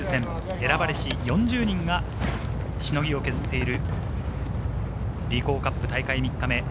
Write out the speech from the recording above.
選ばれし４０人がしのぎを削っているリコーカップ大会３日目。